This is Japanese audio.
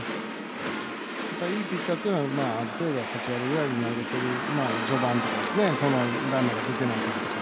いいピッチャーっていうのはある程度、８割ぐらいで投げてる序盤とかそのランナーが出てない。